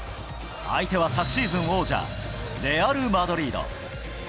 相手は昨シーズン王者、レアル・マドリード。